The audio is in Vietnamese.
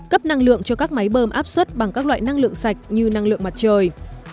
cấp năng lượng cho các máy bơm áp suất bằng các loại năng lượng sạch như năng lượng mặt trời